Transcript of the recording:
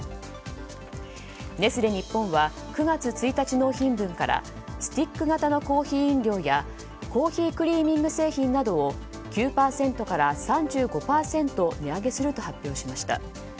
ネスレ日本は９月１日納品分からスティック型のコーヒー飲料やコーヒークリーミング製品などを９％から３５％値上げすると発表しました。